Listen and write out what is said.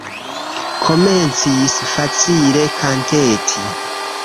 Komencis facile kanteti.